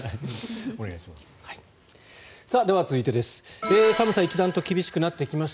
お願いします。